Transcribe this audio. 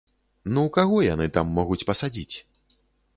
Ну каго яны там могуць пасадзіць?